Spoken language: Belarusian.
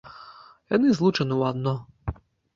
Яны злучаны ў адно.